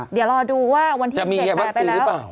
เดี๋ยวรอดูว่าวันที่๗๘ไปแล้ว